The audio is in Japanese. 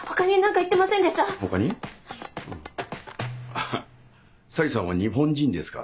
あっ「Ｓａｌｉさんは日本人ですか？」